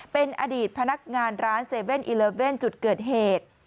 เป็นอดีตพนักงานร้าน๗๑๑จุดเกิดเหตุ